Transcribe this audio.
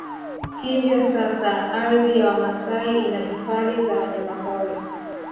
Hivyo sasa ardhi ya Wamasai ina Hifadhi za Wanyamapori